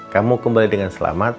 kamu kembali dengan selamat